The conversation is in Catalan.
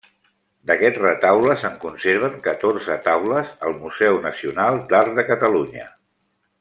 D'aquest retaule se'n conserven catorze taules al Museu Nacional d'Art de Catalunya.